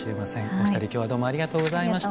お二人今日はどうもありがとうございました。